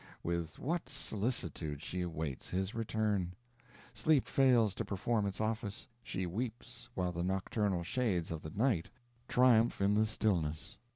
With what solicitude she awaits his return! Sleep fails to perform its office she weeps while the nocturnal shades of the night triumph in the stillness.